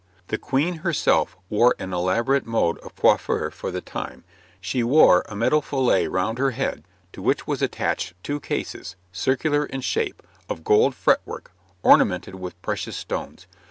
The Queen herself wore an elaborate mode of coiffure for that time; she wore a metal fillet round her head, to which was attached two cases, circular in shape, of gold fretwork, ornamented with precious stones.